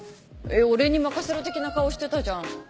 俺に任せろ的な顔してたじゃん。